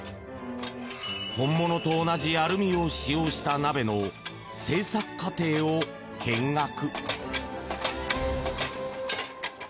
本物と同じアルミを使用した鍋の制作過程を見学。